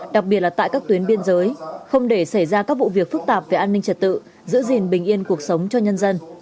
đặc biệt là tại các tuyến biên giới không để xảy ra các vụ việc phức tạp về an ninh trật tự giữ gìn bình yên cuộc sống cho nhân dân